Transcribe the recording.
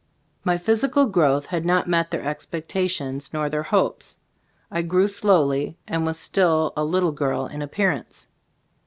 My physical growth had not met their expectations nor their hopes. I grew slowly and was still a "little girl" in appearance.